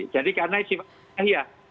jadi karena sifatnya ilahiyah